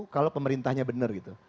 kalau pemerintahnya benar gitu